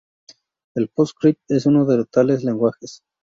El PostScript es uno de tales lenguajes.